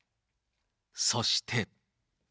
そして。